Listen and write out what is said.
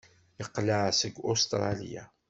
Yeqleɛ seg Ustṛalya.